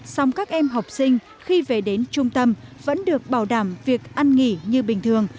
song các em học sinh khi về đến trung tâm vẫn được bảo đảm việc ăn nghỉ như bình thường